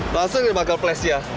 langsung di marketplace ya